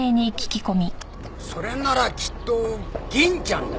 それならきっと銀ちゃんだよ。